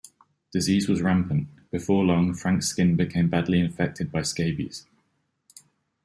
Disease was rampant; before long, Frank's skin became badly infected by scabies.